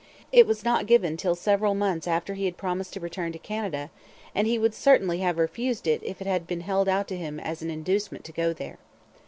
It was not given till several months after he had promised to return to Canada; and he would certainly have refused it if it had been held out to him as an inducement to go there.